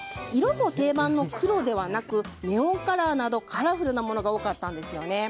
色も定番の黒ではなくネオンカラーなどカラフルなものが多かったんです。